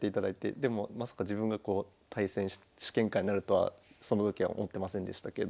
でもまさか自分がこう試験官になるとはその時は思ってませんでしたけど。